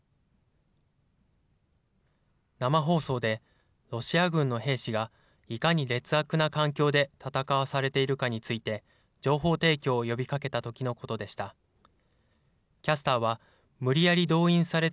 生放送でロシア軍の兵士がいかに劣悪な環境で戦わされているかについて、情報提供を呼びかけたときのことでした。